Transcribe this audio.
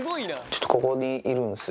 ここにいるんですよ。